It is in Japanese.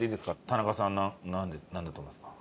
田中さんなんだと思いますか？